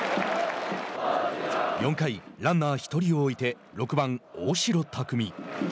４回、ランナー１人を置いて６番、大城卓三。